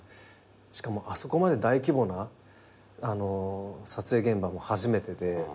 しかもあそこまで大規模な撮影現場も初めてで。